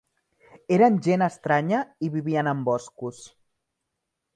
Eren gent estranya, i vivien en boscos.